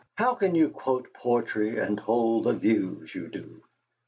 "How can you quote poetry, and hold the views you do?